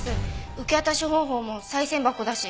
受け渡し方法も賽銭箱だし。